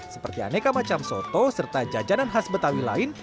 seperti aneka macam soto serta jajanan khas betawi lain